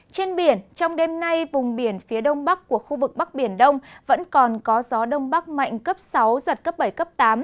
trên biển trong đêm nay vùng biển phía đông bắc của khu vực bắc biển đông vẫn còn có gió đông bắc mạnh cấp sáu giật cấp bảy cấp tám